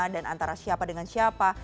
dan antara siapa dengan siapa